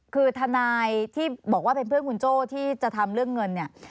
คือทนายที่บอกว่าเป็นเพื่อนคุณโจ้ที่จะทำเรื่องเงินเนี่ย